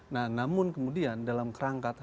nah namun kemudian dalam kerangka